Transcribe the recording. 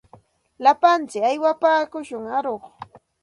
Lapantsik aywapaakushun aruq.